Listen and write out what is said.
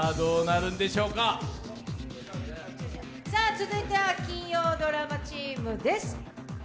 続いては金曜ドラマチームです。